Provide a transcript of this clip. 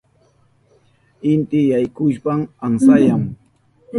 Inti yaykuhushpan amsayan.